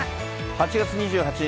８月２８日